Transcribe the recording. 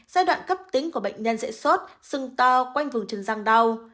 giai đoạn cấp tính của bệnh nhân dễ sốt sưng to quanh vùng chân răng đau